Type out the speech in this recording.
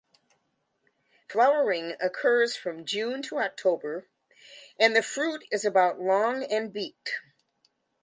Flowering occurs from June to October and the fruit is about long and beaked.